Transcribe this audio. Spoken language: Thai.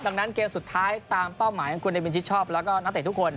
ดังนั้นเกมสุดท้ายตามเป้าหมายของคุณเดบินชิดชอบแล้วก็นักเตะทุกคน